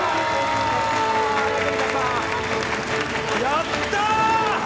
やった！